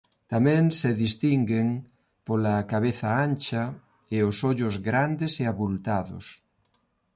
Tamén se distinguen pola cabeza ancha e os ollos grandes e avultados.